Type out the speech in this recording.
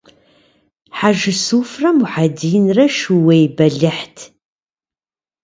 Хьэжсуфрэ Мухьэдинрэ шууей бэлыхьт.